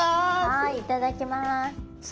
はいいただきます。